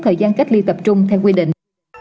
thời gian cách ly tập trung theo quy định